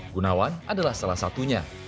gunawan adalah salah satunya